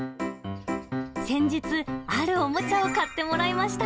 先日、あるおもちゃを買ってもらいました。